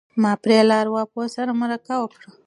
ما پرې له ارواپوه سره مرکه وکړه.